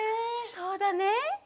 そうだね。